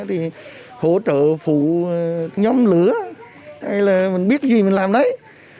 thì hỗ trợ phụ nhóm lửa hay là mình biết gì mình làm đấy